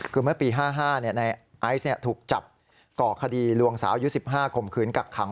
คือเมื่อปี๕๕ในไอซ์ถูกจับก่อคดีลวงสาวอายุ๑๕ข่มขืนกักขัง